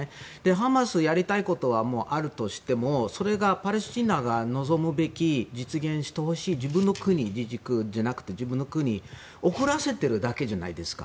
ハマスにやりたいことがあるとしてもそれがパレスチナが望むべき実現してほしい自分の国を遅らせてるだけじゃないですか。